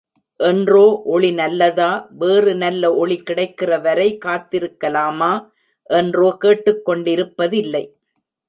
என்றோ ஒளி நல்லதா, வேறு நல்ல ஒளி கிடைக்கிறவரை காத்திருக்கலாமா என்றோ கேட்டுக்கொண்டிருப்பதில்லை.